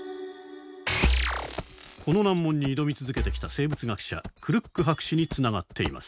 この難問に挑み続けてきた生物学者クルック博士につながっています。